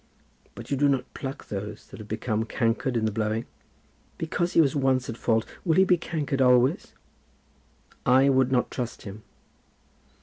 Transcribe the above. "But you do not pluck those that have become cankered in the blowing." "Because he was once at fault, will he be cankered always?" "I would not trust him."